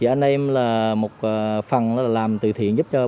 anh em là một phần làm từ thiện giúp cho bà con